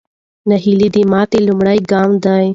ناهیلي د ماتې لومړی ګام دی.